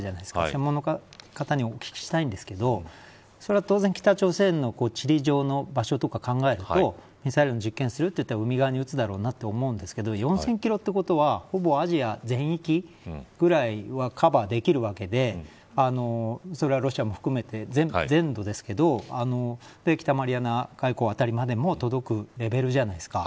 専門家の方にお聞きしたいんですけどそれは当然、北朝鮮の地理上の場所とか考えるとミサイルの実験をするとしたら海側に撃つだろうと思うんですけど４０００キロということはほぼアジア全域くらいはカバーできるわけでそれはロシアも含めて全土ですけど北マリアナ海溝辺りまでも届くレベルじゃないですか。